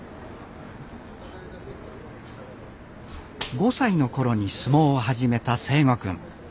５歳の頃に相撲を始めた誠心くん。